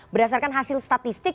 berdasarkan hasil statistik